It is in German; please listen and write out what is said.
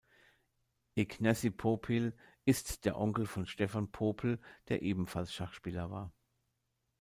Ignacy Popiel ist der Onkel von Stephan Popel, der ebenfalls Schachspieler war.